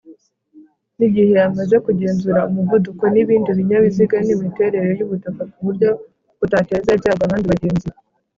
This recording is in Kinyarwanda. nigihe amaze kugenzura umuvuduko n’ibindi binyabiziga n’imiterere y’ubutaka kuburyo butateza ibyago abandi bagenzi